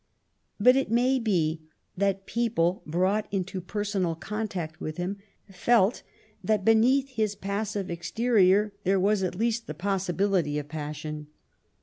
But it may be that people brought into personal con tact with him felt that beneath his passive exterior there was at least the possibility of passion.